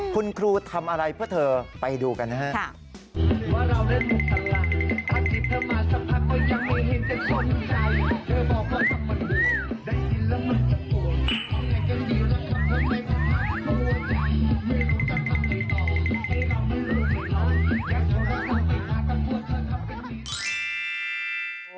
คุณครูทำอะไรเพื่อเธอไปดูกันนะครับ